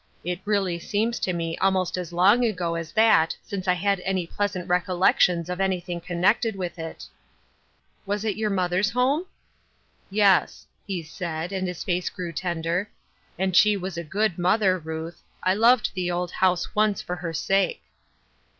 " It really seema to me almost as long ago as that since I had any pleasant recollections of anything connected with it." " Was it your mother's home ?" Embarrassment and Merriment, 285 "Yes," he said, and his face grew tender. " And she was a good mother, Ruth ; I loved the old house once for her sake."